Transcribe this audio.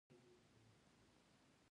لكه يو دروند بار مې له اوږو لرې سوى وي.